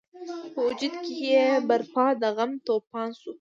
په وجود کې یې برپا د غم توپان شو.